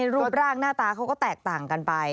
รูปร่างหน้าตาเขาก็แตกต่างกันไป